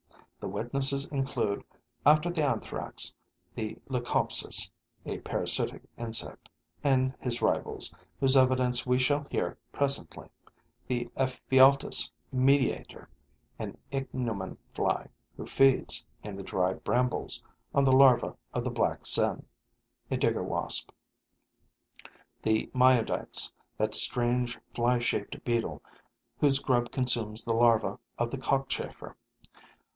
The witnesses include, after the Anthrax, the Leucospis [a parasitic insect] and his rivals, whose evidence we shall hear presently; the Ephialtes mediator [an Ichneumon fly], who feeds, in the dry brambles, on the larva of the Black Psen [a digger wasp]; the Myodites, that strange, fly shaped beetle whose grub consumes the larva of the cockchafer.